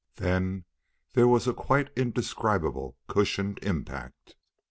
Then there was a quite indescribable cushioned impact.